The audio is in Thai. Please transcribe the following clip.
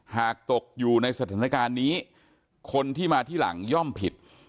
หากตกอยู่ในสถานการณ์นี้คนที่มาที่หลังย่อมผิด